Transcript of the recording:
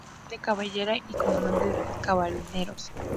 Fue coronel de caballería y comandante de carabineros.